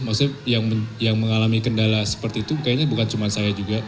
maksudnya yang mengalami kendala seperti itu kayaknya bukan cuma saya juga